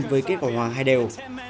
với kết quả hòa hai đều